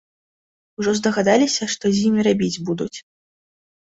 Ужо здагадаліся, што з імі рабіць будуць.